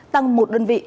tăng một đơn vị